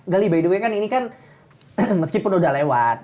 gale by the way kan ini kan meskipun udah lewat